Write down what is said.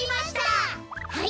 はい！